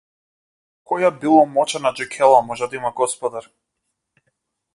Која било мочана џукела може да има господар.